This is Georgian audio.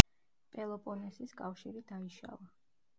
პელოპონესის კავშირი დაიშალა.